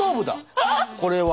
これは。